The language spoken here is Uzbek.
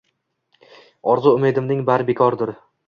Orzu-umidimning bari bekordir.